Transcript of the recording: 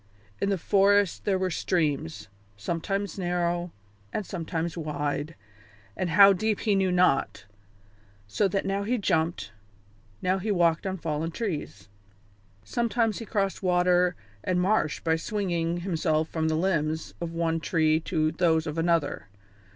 In the forest there were streams, sometimes narrow and sometimes wide, and how deep he knew not, so that now he jumped, now he walked on fallen trees. Sometimes he crossed water and marsh by swinging himself from the limbs of one tree to those of another.